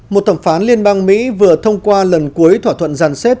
một thẩm phán liên bang mỹ vừa thông qua lần cuối thỏa thuận giàn xếp